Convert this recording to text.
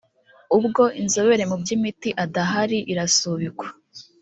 ubwo inzobere mu by’imiti adahari irasubikwa